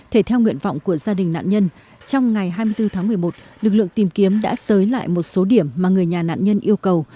thể theo nguyện vọng của gia đình nạn nhân trong ngày hai mươi bốn tháng một mươi một lực lượng tìm kiếm đã sới lại một số điểm mà người nhà nạn nhân yêu cầu